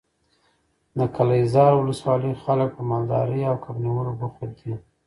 د قلعه زال ولسوالۍ خلک په مالدارۍ او کب نیولو بوخت دي.